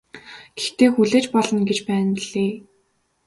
Гэхдээ хүлээж болно гэж байна билээ.